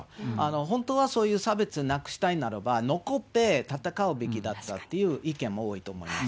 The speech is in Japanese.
本当はそういう差別なくしたいならば、残って戦うべきだったっていう意見も多いと思います。